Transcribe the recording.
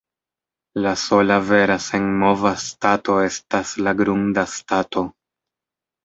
La sola vera senmova stato estas la grunda stato.